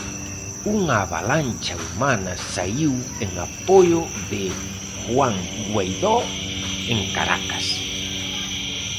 Unha avalancha humana saíu en apoio de Juan Guaidó en Caracas.